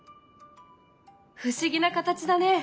不思議な形だね。